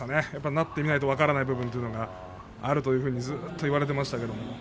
なってみないと分からない部分というのがあるというふうにずっと言われていましたけれども。